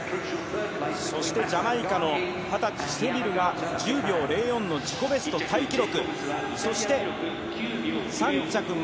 ジャマイカの２０歳セビルが１０秒０４の自己ベストタイ記録。